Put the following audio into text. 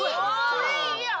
これいいやん！